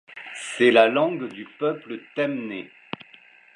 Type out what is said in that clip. C’est la langue du peuple temné.